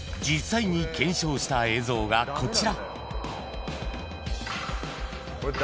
［実際に検証した映像がこちら］